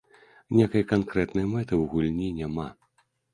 Нейкай канкрэтнай мэты ў гульні няма.